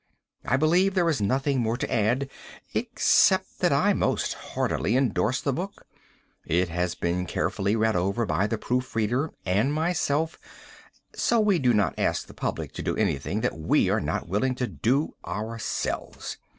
I believe there is nothing more to add, except that I most heartily endorse the book. It has been carefully read over by the proof reader and myself, so we do not ask the public to do anything that we were not willing to do ourselves.